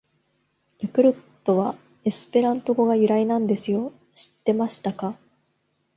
「ヤクルト」はエスペラント語が由来なんですよ！知ってましたか！！